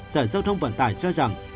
sở giao thông vận tải cho rằng